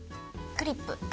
クリップ。